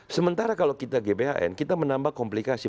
sementara kalau kita gbhn kita menambah komplikasi